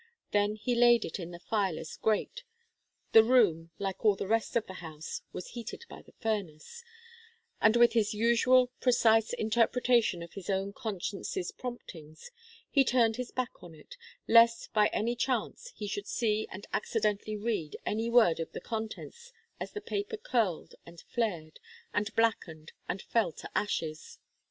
Then he laid it in the fireless grate the room, like all the rest of the house, was heated by the furnace, and with his usual precise interpretation of his own conscience's promptings, he turned his back on it, lest by any chance he should see and accidentally read any word of the contents as the paper curled and flared and blackened and fell to ashes.